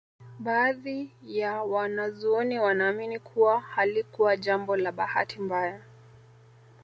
Baadhi ya wanazuoni wanaamini kuwa halikuwa jambo la bahati mbaya